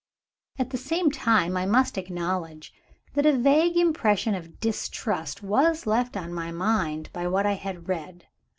At the same time, I must acknowledge that a vague impression of distrust was left on my mind by what I had read.